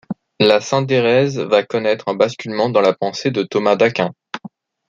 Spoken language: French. La syndérèse va connaître un basculement dans la pensée de Thomas d'Aquin.